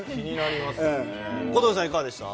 小峠さん、いかがでした？